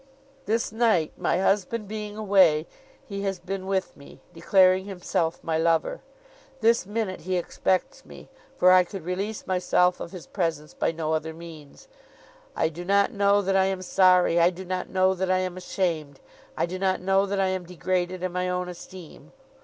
'This night, my husband being away, he has been with me, declaring himself my lover. This minute he expects me, for I could release myself of his presence by no other means. I do not know that I am sorry, I do not know that I am ashamed, I do not know that I am degraded in my own esteem.